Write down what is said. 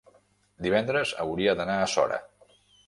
divendres hauria d'anar a Sora.